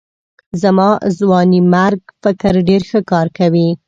زما ځوانمېرګ فکر ډېر ښه کار کوي.